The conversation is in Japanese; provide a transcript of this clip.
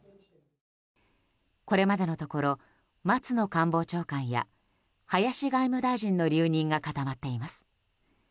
これまでのところ松野官房長官や林外務大臣の留任が固まっています。